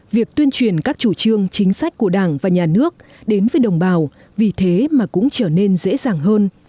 việc tuyên truyền các chủ trương chính sách của đảng và nhà nước đến với đồng bào vì thế mà cũng trở nên dễ dàng hơn